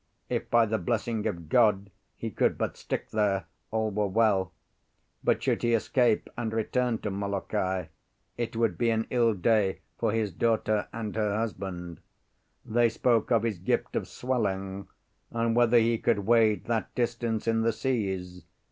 If, by the blessing of God, he could but stick there, all were well; but should he escape and return to Molokai, it would be an ill day for his daughter and her husband. They spoke of his gift of swelling, and whether he could wade that distance in the seas.